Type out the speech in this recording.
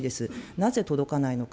なぜ届かないのか。